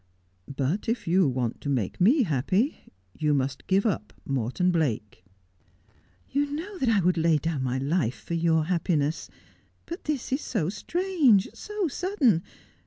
But if you want to make me happy you must give up Morton Blake.' 'You know that I would lay down my life for your happiness. But this is so strange, so sudden.